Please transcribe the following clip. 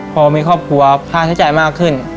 พอมีครอบครัวค่าใช้จ่ายมากขึ้น